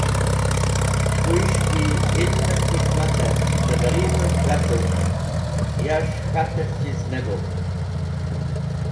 Kuyẽs̃h ki ilmẽt hikmatẽ dẽ ghẽribẽv g̃hatuvd yas̃h k̃hatẽr chiz ne gok̃ht.